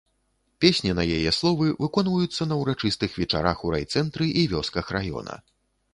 Песні на яе словы выконваюцца на ўрачыстых вечарах у райцэнтры і вёсках раёна.